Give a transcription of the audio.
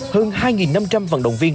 hơn hai năm trăm linh vận động viên